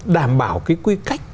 đảm bảo cái quy cách